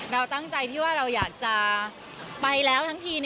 เราตั้งใจที่ว่าเราอยากจะไปแล้วทั้งที